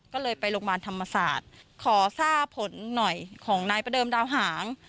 ก็เลยไปโรงพยาบาลธรรมศาสตร์ขอทราบผลหน่อยของนายประเดิมดาวหาง